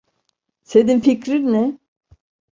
Senin fikrin ne?